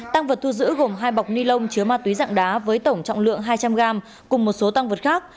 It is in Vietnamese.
các đối tượng bị bắt gồm hai bọc ni lông chứa ma túy dạng đá với tổng trọng lượng hai trăm linh g cùng một số tăng vật khác